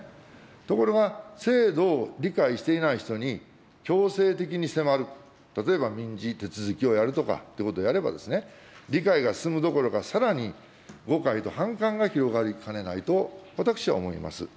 ところが、制度を理解していない人に、強制的に迫る、例えば民事手続きをやるとかということをやれば、理解が進むどころか、さらに誤解と反感が広がりかねないと私は思います。